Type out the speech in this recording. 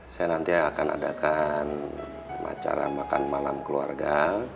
saya nanti akan adakan acara makan malam keluarga